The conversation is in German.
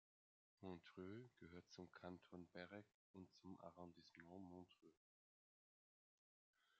Montreuil gehört zum Kanton Berck und zum Arrondissement Montreuil.